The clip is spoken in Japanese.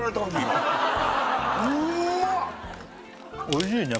おいしいね